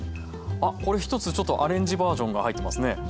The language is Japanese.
あっこれ１つちょっとアレンジバージョンが入ってますね。